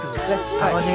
楽しみ。